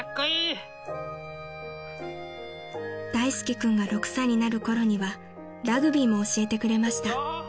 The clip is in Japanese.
［大介君が６歳になるころにはラグビーも教えてくれました］